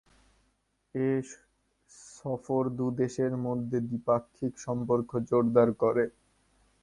এ সফর দু’দেশের মধ্যে দ্বিপাক্ষিক সম্পর্ক জোরদার করে।